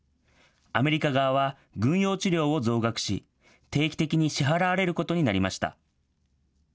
アメリカ側は軍用地料を増額し、定期的に支払われることになりました。